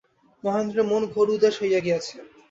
মহেন্দ্রের মন ঘোর উদাস হইয়া গিয়াছে।